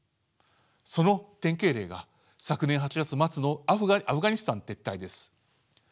その典型例が昨年８月末のアフガニスタン撤退です。